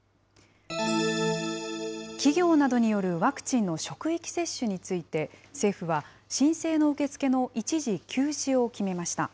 企業などによるワクチンの職域接種について、政府は、申請の受け付けの一時休止を決めました。